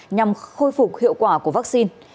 nhằm khôi phục hiệu quả của vaccine